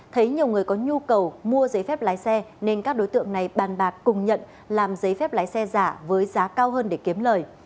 thấy nhiều người có nhu cầu mua giấy phép lái xe nên các đối tượng này bàn bạc cùng nhận làm giấy phép lái xe giả với giá cao hơn để kiếm lời